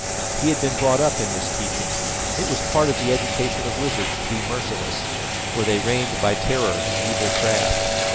He had been brought up in this teaching; it was part of the education of wizards to be merciless, for they reigned by terror and evil craft.